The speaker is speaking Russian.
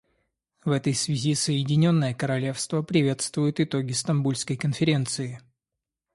В этой связи Соединенное Королевство приветствует итоги Стамбульской конференции.